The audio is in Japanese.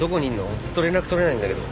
ずっと連絡取れないんだけど。